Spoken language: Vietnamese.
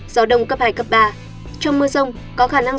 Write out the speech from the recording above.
trong mưa rông có khả năng xảy ra lốc xét và gió giật mạnh